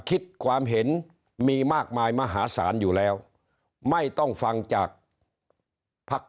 คิดความเห็นมีมากมายมหาศาลอยู่แล้วไม่ต้องฟังจากภักดิ์